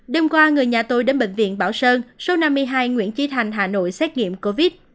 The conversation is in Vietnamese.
đêm qua người nhà tôi đến bệnh viện bảo sơn số năm mươi hai nguyễn trí thành hà nội xét nghiệm covid